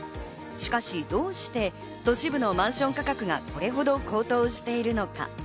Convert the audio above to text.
しかし、どうして都市部のマンション価格がこれほど高騰しているのか。